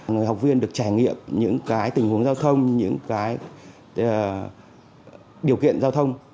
người học viên được trải nghiệm những cái tình huống giao thông những cái điều kiện giao thông